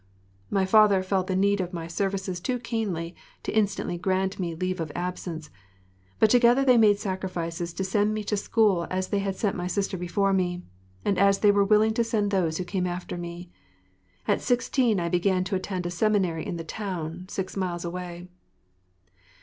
My father felt the need of my services too keenly to instantly grant me leave of absence, but together they made sacrifices to send me to school as they had sent my sister before me, and as they were willing to send those who came after me. At sixteen I began to attend a seminary in the town, six miles away.